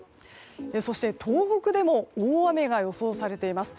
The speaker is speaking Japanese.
そして東北でも大雨が予想されています。